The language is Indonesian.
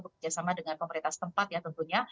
bekerjasama dengan pemerintah setempat ya tentunya